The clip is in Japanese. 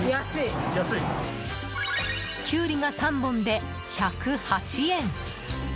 キュウリが３本で１０８円。